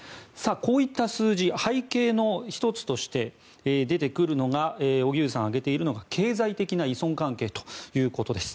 こういった数字背景の１つとして出てくるのが荻上さんが挙げているのは経済的な依存関係です。